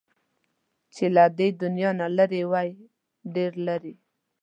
چې له دې دنيا نه لرې وای، ډېر لرې